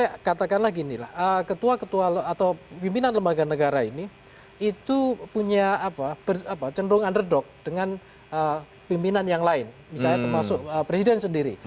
ya katakanlah ginilah ketua ketua atau pimpinan lembaga negara ini itu punya apa cenderung underdog dengan pimpinan yang lain misalnya termasuk presiden sendiri